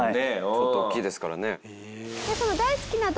ちょっと大きいですからね。